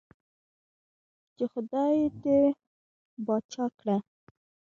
چې خدائے دې باچا کړه ـ